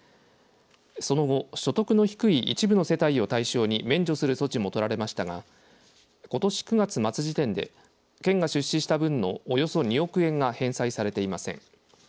その後、所得の低い一部の世帯を対象に免除する措置も取られましたがことし９月末時点で県が出資した分のおよそ２億円が返済されていません。